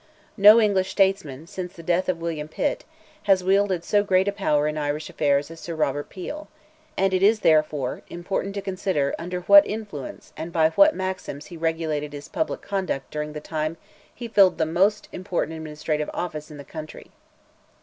No English statesman, since the death of William Pitt, has wielded so great a power in Irish affairs as Sir Robert Peel, and it is, therefore, important to consider, under what influence, and by what maxims he regulated his public conduct during the time he filled the most important administrative office in that country.